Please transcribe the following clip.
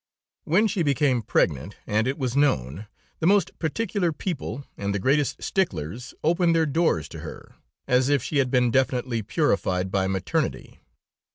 "When she became pregnant, and it was known, the most particular people and the greatest sticklers opened their doors to her, as if she had been definitely purified by maternity.